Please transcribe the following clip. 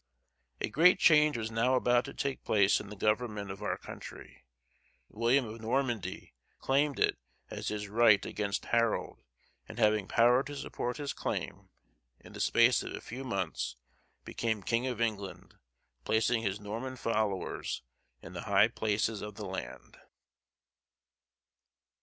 A great change was now about to take place in the government of our country: William of Normandy claimed it as his of right against Harold; and, having power to support his claim, in the space of a few months became King of England, placing his Norman followers in the high places of the land.